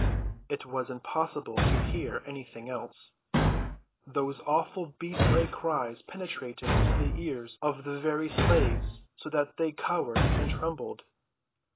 It was impossible to hear anything else. Those awful beast‐like cries penetrated the ears of the very slaves so that they cowered and trembled.